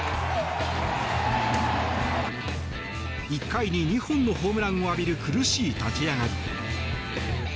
１回に２本のホームランを浴びる苦しい立ち上がり。